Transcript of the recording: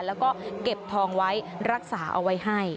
แล้วก็เก็บทองไว้รักษาเอาไว้ให้